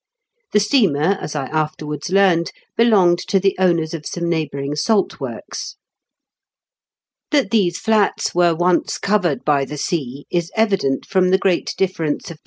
The steamer, as I afterwards learned, belonged to the owners of some neighbouring salt works. That these flats were once covered by the sea is evident from the great difference of 246 IN KENT WITH GHABLE8 DICKENS.